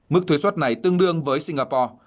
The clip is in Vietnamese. mức thuế suất này tương đương với singapore